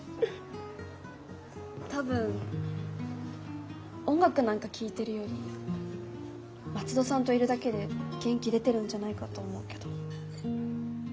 多分音楽なんか聴いてるより松戸さんといるだけで元気出てるんじゃないかと思うけど井川さん。